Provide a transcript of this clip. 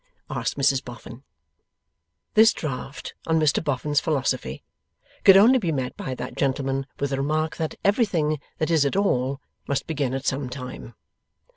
asked Mrs Boffin. This draft on Mr Boffin's philosophy could only be met by that gentleman with the remark that everything that is at all, must begin at some time.